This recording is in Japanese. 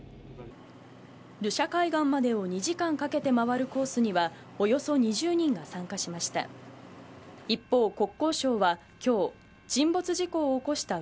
ルシャ海岸までを２時間かけて回るコースにはおよそ２０人が参加しました。